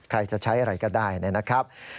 ใครจะใช้อะไรก็ได้นะครับ